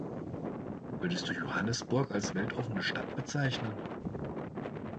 Würdest du Johannesburg als weltoffene Stadt bezeichnen?